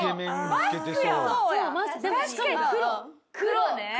黒ね。